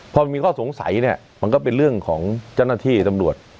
พอมีข้อสงสัยเนี่ยมันก็เป็นเรื่องของเจ้าหน้าที่ตำรวจ